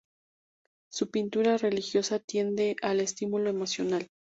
Su pintura religiosa tiende al estímulo emocional.